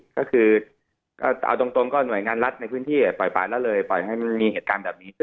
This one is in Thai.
ก็คือก็เอาตรงก็หน่วยงานรัฐในพื้นที่ปล่อยป่าละเลยปล่อยให้มันมีเหตุการณ์แบบนี้ขึ้น